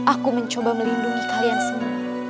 aku mencoba melindungi kalian semua